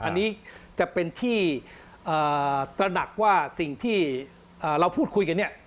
อันนี้จะเป็นที่ตระหนักว่าสิ่งที่เราพูดคุยกันเนี่ย